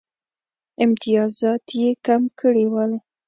امتیازات یې کم کړي ول.